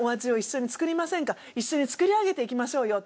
「一緒に作り上げていきましょうよ」。